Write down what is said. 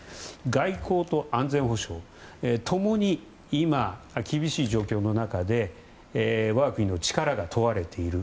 外交と安全保障共に今、厳しい状況の中で我が国の力が問われている。